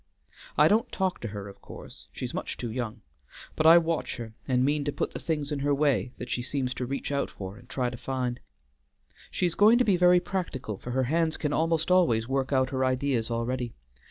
I don't talk to her of course; she's much too young; but I watch her and mean to put the things in her way that she seems to reach out for and try to find. She is going to be very practical, for her hands can almost always work out her ideas already.